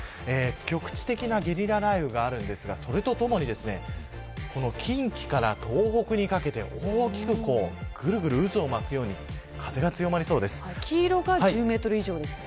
局地的なゲリラ雷雨があるんですが、それとともに近畿から東北にかけて大きく、ぐるぐる渦を巻くように黄色が１０メートル以上ですか。